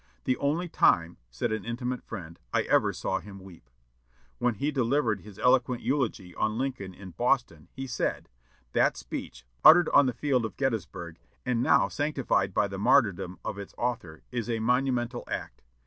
"The only time," said an intimate friend, "I ever saw him weep." When he delivered his eloquent eulogy on Lincoln in Boston, he said, "That speech, uttered on the field of Gettysburg, and now sanctified by the martyrdom of its author, is a monumental act.